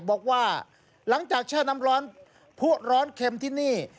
บอกว่าหลังจากแช่น้ำร้อนผู้ร้อนเข็มที่นี่